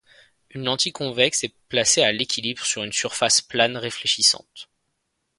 Une lentille convexe est placée à l'équilibre sur une surface plane réfléchissante.